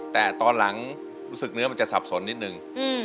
แต่ตอนหลังรู้สึกเนื้อมันจะสับสนนิดนึง